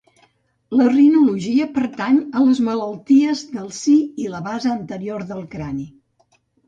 La rinologia pertany a les malalties del si i la base anterior del crani.